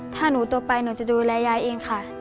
ถ้าหนูโตไปหนูจะดูแลยายเองค่ะ